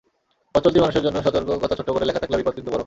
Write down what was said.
পথচলতি মানুষের জন্য সতর্ক-কথা ছোট্ট করে লেখা থাকলেও বিপদ কিন্তু বড়।